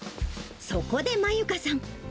そこでまゆかさん。